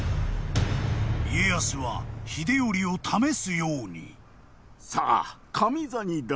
［家康は秀頼を試すように］さあ。